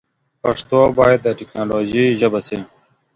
پښتو باید د ټیکنالوژي ژبه سی.